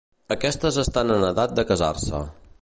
Aquestes estan en edat de casar-se.